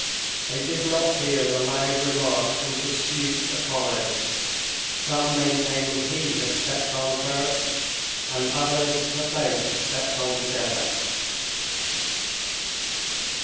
They did not hear the loud remarks and disputes that followed, some maintaining he had stepped on first, and others that both had stepped on together.